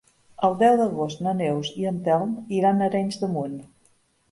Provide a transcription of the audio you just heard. El deu d'agost na Neus i en Telm iran a Arenys de Munt.